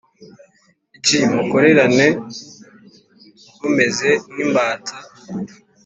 Gl mukorerane mumeze nk imbata